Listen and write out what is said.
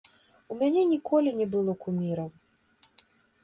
У мяне ніколі не было куміраў.